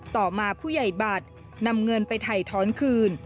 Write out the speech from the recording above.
ต่อมาผู้ใหญ่บัตรนำเงินไปถ่ายท้อนคืน